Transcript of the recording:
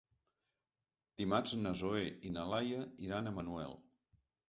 Dimarts na Zoè i na Laia iran a Manuel.